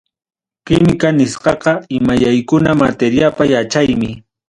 Química nisqaqa imayaykuna materiapa yachaymi.